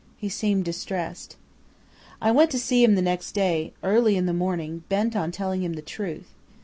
He seemed distressed. "I went to see him the next day, early in the morning, bent on telling him the truth.